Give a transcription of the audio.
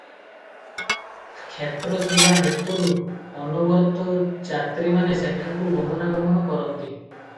କ୍ଷେତ୍ର ଥିବା ହେତୁରୁ ଅନବରତ ଯାତ୍ରିମାନେ ସେଠାକୁ ଗମନାଗମନ କରନ୍ତି ।